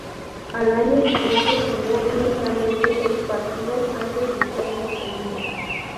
Al año siguiente jugó únicamente seis partidos antes de ser despedido.